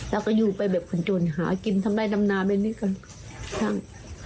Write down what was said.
เราก็อยู่ไปแบบคนจนหากินทำไร้ทำนาแบบนี้กัน